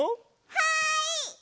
はい！